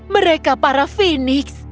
mereka para fenix